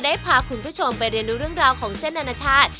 ได้พาคุณผู้ชมไปเรียนรู้เรื่องราวของเส้นอนาชาติ